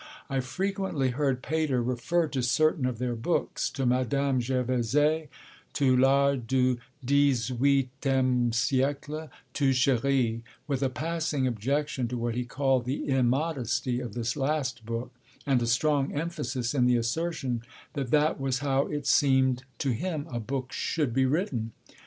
I frequently heard Pater refer to certain of their books, to Madame Gervaisais, to L'Art du XVIII Siècle, to Chérie; with a passing objection to what he called the 'immodesty' of this last book, and a strong emphasis in the assertion that 'that was how it seemed to him a book should be written.'